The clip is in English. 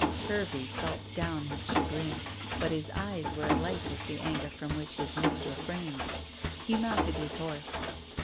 Hervey gulped down his chagrin; but his eyes were alight with the anger from which his lips refrained. He mounted his horse.